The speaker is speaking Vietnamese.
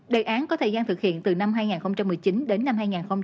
đề án có thời gian thực hiện từ năm hai nghìn một mươi chín đến năm hai nghìn hai mươi